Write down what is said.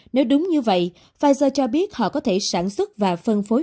nếu đúng như vậy pfizer cho biết họ có thể sản xuất và phân phối